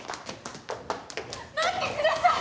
待ってください！